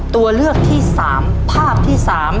ตัวเลือกที่สามภาพที่สาม